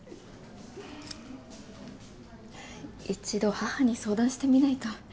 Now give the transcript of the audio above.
一度義母に相談してみないと。